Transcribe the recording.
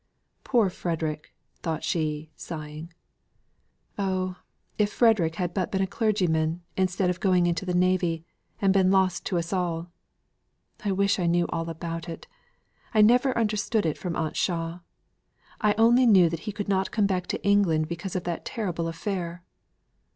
"Poor Frederick!" thought she, sighing. "Oh! if Frederick had but been a clergyman, instead of going into the navy, and being lost to us all! I wish I knew all about it. I never understood it from Aunt Shaw; I only knew he could not come back to England because of that terrible affair.